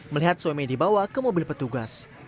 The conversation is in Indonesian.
melihat suami dibawa ke mobil petugas